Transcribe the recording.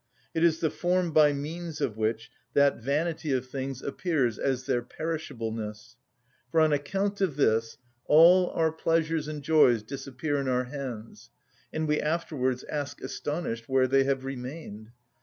It is the form by means of which that vanity of things appears as their perishableness; for on account of this all our pleasures and joys disappear in our hands, and we afterwards ask astonished where they have remained.